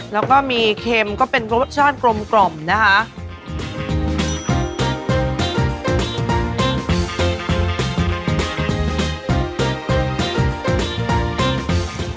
แล้วก็มีเค็มก็เป็นรสชาติกลมนะคะ